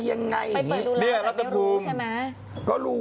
วัลลิกุล